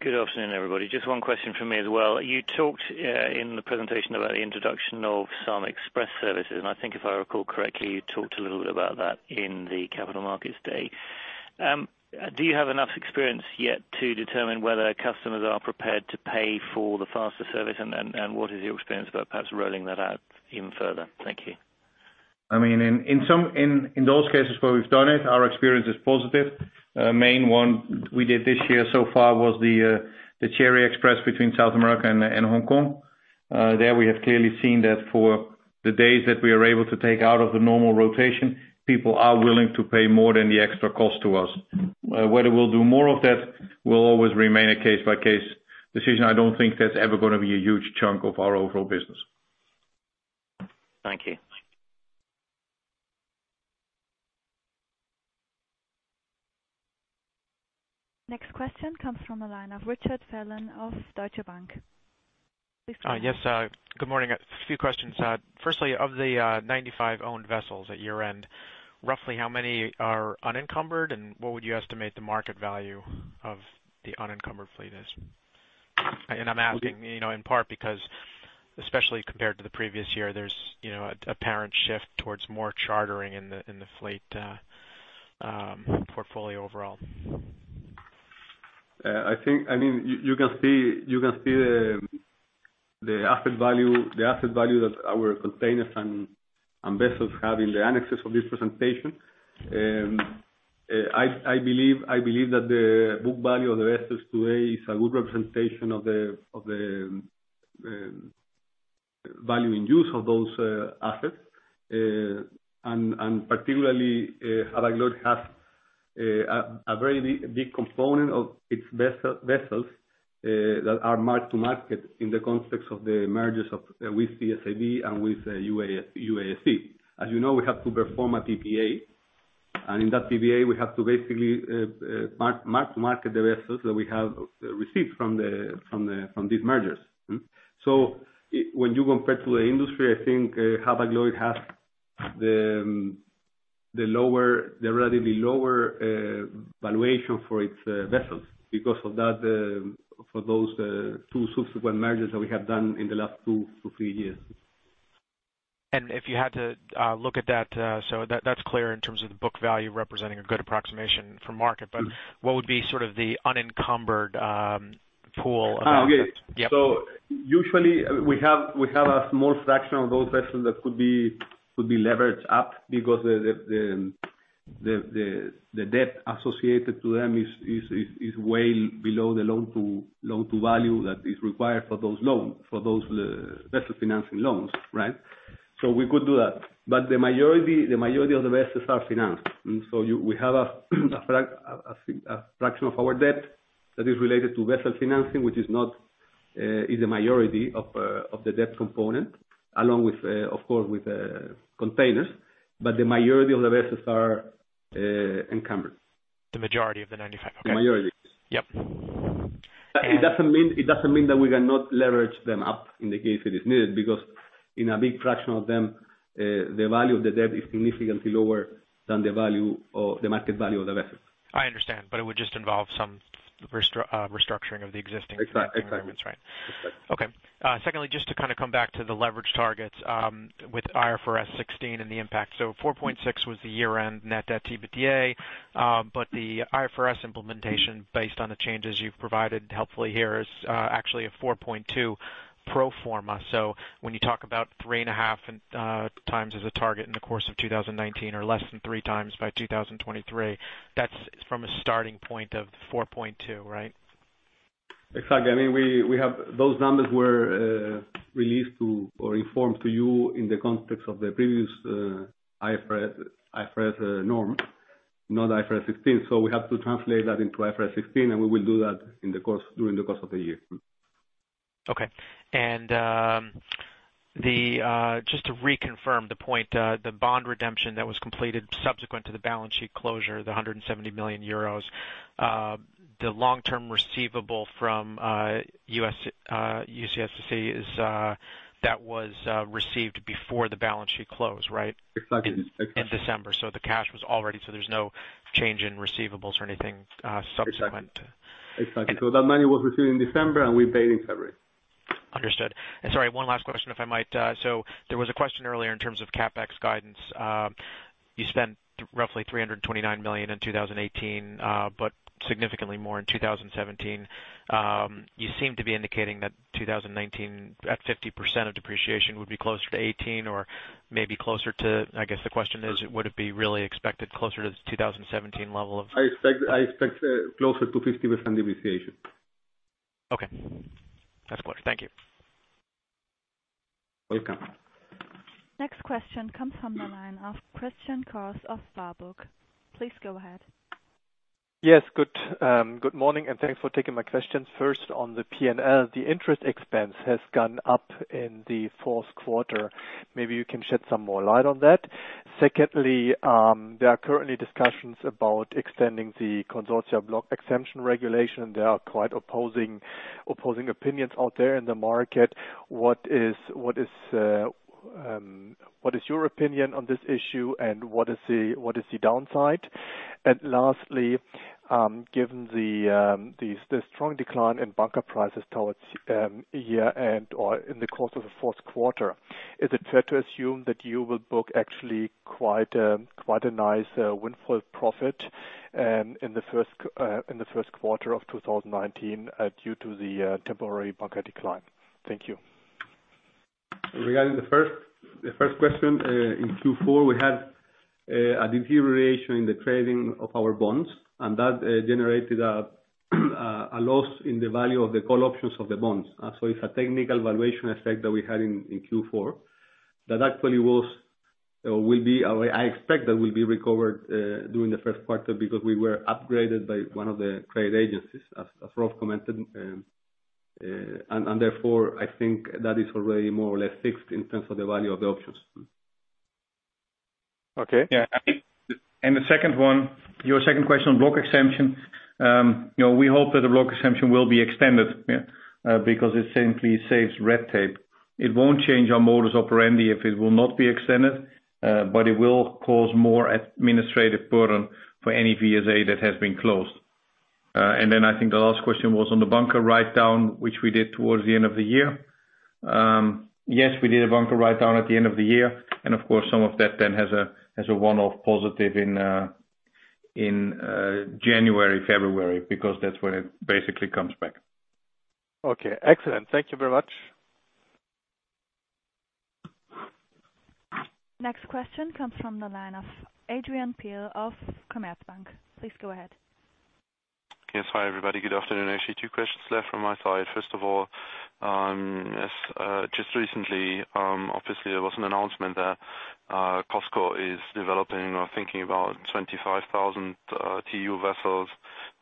Good afternoon, everybody. Just one question from me as well. You talked in the presentation about the introduction of some express services, and I think if I recall correctly, you talked a little bit about that in the capital markets day. Do you have enough experience yet to determine whether customers are prepared to pay for the faster service? And then, what is your experience about perhaps rolling that out even further? Thank you. I mean, in some of those cases where we've done it, our experience is positive. Main one we did this year so far was the Cherry Express between South America and Hong Kong. There we have clearly seen that for the days that we are able to take out of the normal rotation, people are willing to pay more than the extra cost to us. Whether we'll do more of that will always remain a case-by-case decision. I don't think that's ever gonna be a huge chunk of our overall business. Thank you. Next question comes from the line of Richard Fallon of Deutsche Bank. Please go ahead. Yes, good morning. A few questions. Firstly, of the 95 owned vessels at year-end, roughly how many are unencumbered, and what would you estimate the market value of the unencumbered fleet is? I'm asking- Would you- You know, in part because especially compared to the previous year, there's, you know, an apparent shift towards more chartering in the fleet portfolio overall. I think you can see the asset value that our containers and vessels have in the annexes of this presentation. I believe that the book value of the vessels today is a good representation of the value in use of those assets. Particularly, Hapag-Lloyd has a very big component of its vessels that are marked to market in the context of the mergers with CSAV and with UASC. As you know, we have to perform a PPA, and in that PPA, we have to basically mark to market the vessels that we have received from these mergers. When you compare to the industry, I think Hapag-Lloyd has the relatively lower valuation for its vessels because of that for those two subsequent mergers that we have done in the last two to three years. If you had to look at that's clear in terms of the book value representing a good approximation for market. But what would be sort of the unencumbered pool of that? Okay. Yep. Usually we have a small fraction of those vessels that could be leveraged up because the debt associated to them is way below the loan to value that is required for those vessel financing loans, right? We could do that. The majority of the vessels are financed. We have a fraction of our debt that is related to vessel financing, which is a majority of the debt component, along with, of course, containers. The majority of the vessels are encumbered. The majority of the 95. Okay. The majority. Yep. It doesn't mean that we cannot leverage them up in the case it is needed, because in a big fraction of them, the value of the debt is significantly lower than the value or the market value of the vessel. I understand, but it would just involve some restructuring of the existing- Exactly. Financing arrangements, right. Exactly. Okay. Secondly, just to kinda come back to the leverage targets, with IFRS 16 and the impact. Four point six was the year-end net debt to EBITDA, but the IFRS implementation based on the changes you've provided helpfully here is actually a four point two pro forma. When you talk about 3.5 times as a target in the course of 2019 or less than 3 times by 2023, that's from a starting point of 4.2, right? Exactly. I mean, those numbers were released to or informed to you in the context of the previous IFRS norm, not IFRS 16. We have to translate that into IFRS 16, and we will do that in the course, during the course of the year. Okay. Just to reconfirm the point, the bond redemption that was completed subsequent to the balance sheet closure, the 170 million euros, the long-term receivable from UASC that was received before the balance sheet closed, right? Exactly. In December. The cash was already, so there's no change in receivables or anything, subsequent. Exactly. That money was received in December, and we paid in February. Understood. Sorry, one last question if I might. There was a question earlier in terms of CapEx guidance. You spent roughly EUR 329 million in 2018, but significantly more in 2017. You seem to be indicating that 2019 at 50% of depreciation would be closer to 2018 or maybe closer to. I guess the question is would it be really expected closer to the 2017 level of. I expect closer to 50% depreciation. Okay. That's clear. Thank you. Welcome. Next question comes from the line of Christian Koch of BB Biotech. Please go ahead. Yes. Good morning, and thanks for taking my question. First, on the P&L, the interest expense has gone up in the fourth quarter. Maybe you can shed some more light on that. Secondly, there are currently discussions about extending the Consortia Block Exemption Regulation, and there are quite opposing opinions out there in the market. What is your opinion on this issue, and what is the downside? Lastly, given the strong decline in bunker prices towards year-end or in the course of the fourth quarter, is it fair to assume that you will book actually quite a nice windfall profit in the first quarter of 2019 due to the temporary bunker decline? Thank you. Regarding the first question, in Q4 we had a deterioration in the trading of our bonds, and that generated a loss in the value of the call options of the bonds. So it's a technical valuation effect that we had in Q4 that actually was, or will be, or I expect that will be recovered during the first quarter because we were upgraded by one of the rating agencies, as Rolf commented. Therefore, I think that is already more or less fixed in terms of the value of the options. Okay. Yeah. The second one, your second question on block exemption, you know, we hope that the block exemption will be extended, because it simply saves red tape. It won't change our modus operandi if it will not be extended, but it will cause more administrative burden for any VSA that has been closed. I think the last question was on the bunker writedown, which we did towards the end of the year. Yes, we did a bunker writedown at the end of the year, and of course, some of that then has a one-off positive in January, February, because that's when it basically comes back. Okay. Excellent. Thank you very much. Next question comes from the line of Adrian Pehl of Commerzbank. Please go ahead. Yes. Hi, everybody. Good afternoon. Actually, two questions left from my side. First of all, just recently, obviously there was an announcement that COSCO is developing or thinking about 25,000 TEU vessels.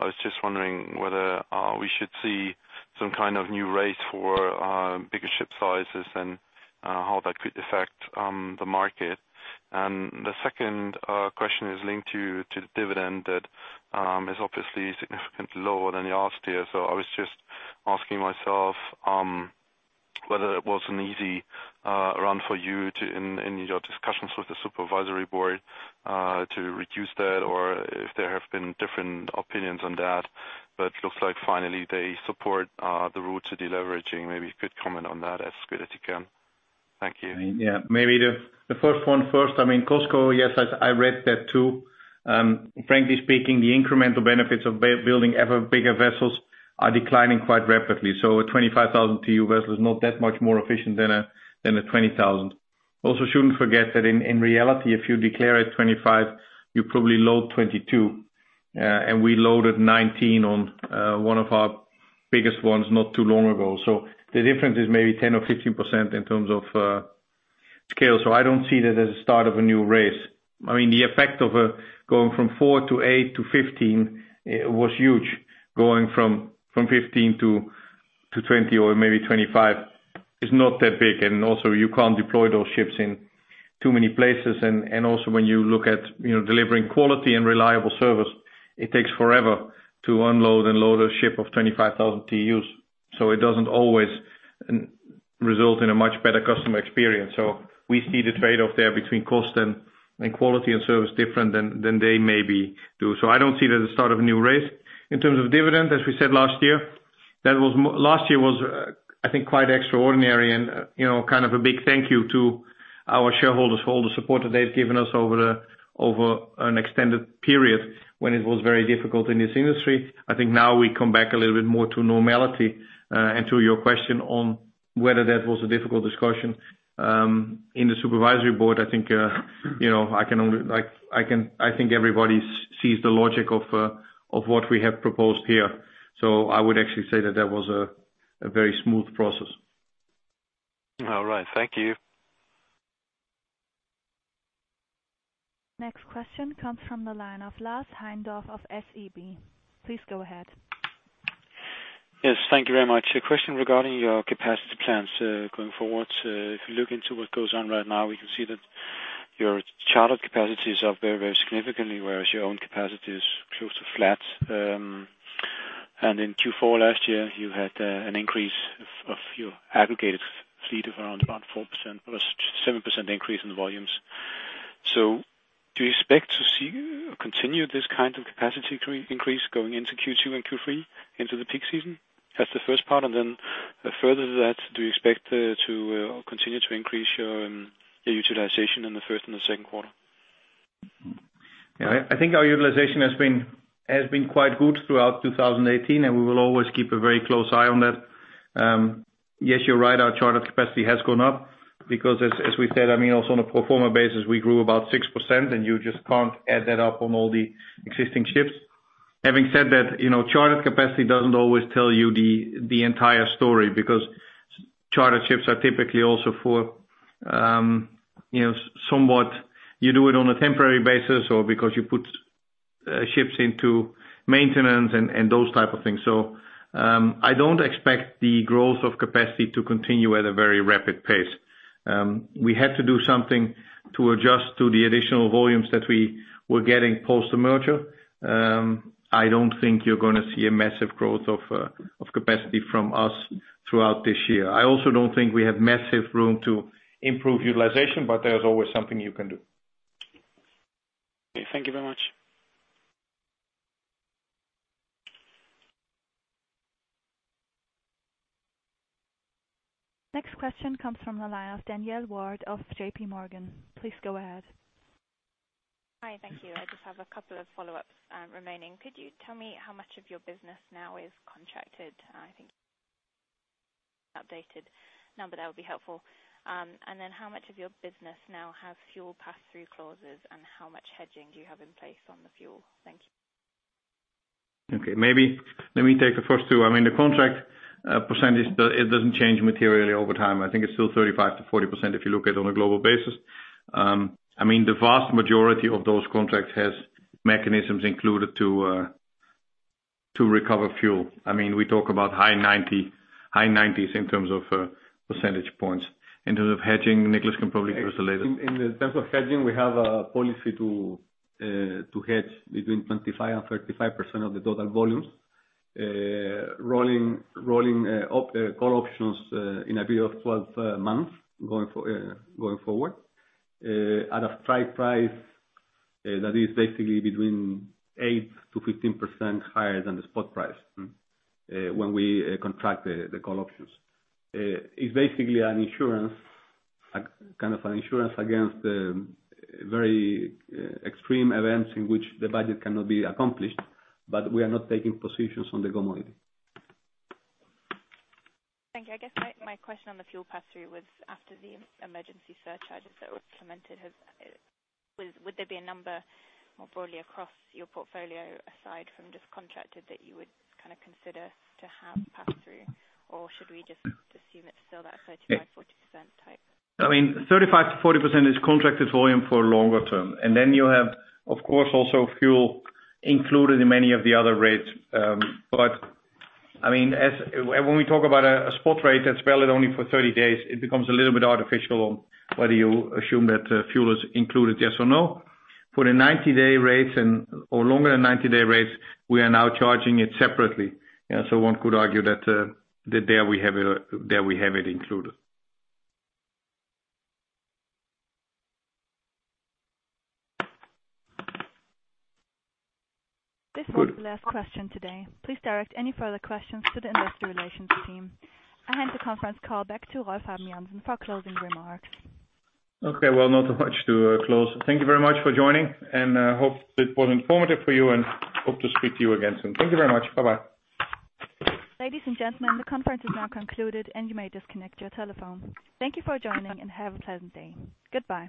I was just wondering whether we should see some kind of new race for bigger ship sizes and how that could affect the market. The second question is linked to the dividend that is obviously significantly lower than the last year. I was just asking myself whether it was an easy run for you to, in your discussions with the supervisory board, to reduce that or if there have been different opinions on that, but looks like finally they support the route to deleveraging. Maybe you could comment on that as good as you can. Thank you. Yeah. Maybe the first one first. I mean, COSCO, yes, I read that too. Frankly speaking, the incremental benefits of building ever bigger vessels are declining quite rapidly. A 25,000 TEU vessel is not that much more efficient than a 20,000. Also shouldn't forget that in reality, if you declare it 25, you probably load 22. And we loaded 19 on one of our biggest ones not too long ago. The difference is maybe 10%-15% in terms of scale. I don't see that as the start of a new race. I mean, the effect of going from 4 to 8 to 15 was huge. Going from 15 to 20 or maybe 25 is not that big. You can't deploy those ships in too many places. Also, when you look at, you know, delivering quality and reliable service, it takes forever to unload and load a ship of 25,000 TEUs, so it doesn't always result in a much better customer experience. We see the trade-off there between cost and quality and service different than they maybe do. I don't see that as the start of a new race. In terms of dividend, as we said last year, that was. Last year was, I think quite extraordinary and, you know, kind of a big thank you to our shareholders for all the support that they've given us over an extended period when it was very difficult in this industry. I think now we come back a little bit more to normality. To your question on whether that was a difficult discussion in the supervisory board, I think you know I think everybody sees the logic of what we have proposed here. I would actually say that was a very smooth process. All right. Thank you. Next question comes from the line of Lars Heindorff of SEB. Please go ahead. Yes, thank you very much. A question regarding your capacity plans going forward. If you look into what goes on right now, we can see that your charter capacities are up very, very significantly, whereas your own capacity is close to flat. In Q4 last year, you had an increase of your aggregated fleet of around about 4%, plus 7% increase in volumes. Do you expect to see or continue this kind of capacity to increase going into Q2 and Q3 into the peak season? That's the first part. Further to that, do you expect to continue to increase your utilization in the first and the second quarter? Yeah, I think our utilization has been quite good throughout 2018, and we will always keep a very close eye on that. Yes, you're right, our charter capacity has gone up because as we said, I mean, also on a pro forma basis, we grew about 6%, and you just can't add that up on all the existing ships. Having said that, you know, chartered capacity doesn't always tell you the entire story because chartered ships are typically also for, you know, somewhat you do it on a temporary basis or because you put ships into maintenance and those type of things. I don't expect the growth of capacity to continue at a very rapid pace. We had to do something to adjust to the additional volumes that we were getting post the merger. I don't think you're gonna see a massive growth of capacity from us throughout this year. I also don't think we have massive room to improve utilization, but there's always something you can do. Okay, thank you very much. Next question comes from the line of Danielle Ward of JP Morgan. Please go ahead. Hi, thank you. I just have a couple of follow-ups, remaining. Could you tell me how much of your business now is contracted? I think the updated number that would be helpful. How much of your business now has fuel pass-through clauses, and how much hedging do you have in place on the fuel? Thank you. Okay. Maybe let me take the first two. I mean, the contract percentage, it doesn't change materially over time. I think it's still 35%-40% if you look at on a global basis. I mean, the vast majority of those contracts has mechanisms included to recover fuel. I mean, we talk about high nineties in terms of percentage points. In terms of hedging, Nicholas can probably give us a later- In the terms of hedging, we have a policy to hedge between 25%-35% of the total volumes. Rolling call options in a period of 12 months going forward at a strike price that is basically between 8%-15% higher than the spot price when we contract the call options. It's basically an insurance, a kind of an insurance against the very extreme events in which the budget cannot be accomplished, but we are not taking positions on the commodity. Thank you. I guess my question on the fuel pass-through was after the emergency surcharges that were implemented, would there be a number more broadly across your portfolio aside from just contracted that you would kinda consider to have pass-through? Or should we just assume it's still that 35%-40% type? I mean, 35%-40% is contracted volume for longer term. You have, of course, also fuel included in many of the other rates. I mean, when we talk about a spot rate that's valid only for 30 days, it becomes a little bit artificial whether you assume that fuel is included, yes or no. For the 90-day rates and/or longer than 90-day rates, we are now charging it separately. One could argue that there we have it included. This was the last question today. Please direct any further questions to the investor relations team. I hand the conference call back to Rolf Habben Jansen for closing remarks. Okay. Well, not much to close. Thank you very much for joining, and hope it was informative for you, and hope to speak to you again soon. Thank you very much. Bye-bye. Ladies and gentlemen, the conference is now concluded, and you may disconnect your telephone. Thank you for joining and have a pleasant day. Goodbye.